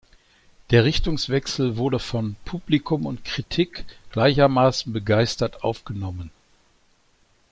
Der Richtungswechsel wurde von Publikum und Kritik gleichermaßen begeistert aufgenommen.